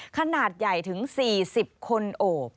ขนาดใหญ่ถึง๔๐คนโอบ